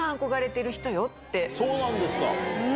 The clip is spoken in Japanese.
そうなんですか！